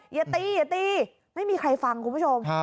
อย่าตีอย่าตีไม่มีใครฟังคุณผู้ชม